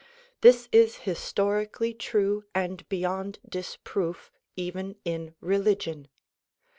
This is historically true and beyond disproof even in religion.